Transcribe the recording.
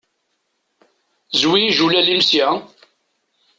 Zwi ijulal-im sya!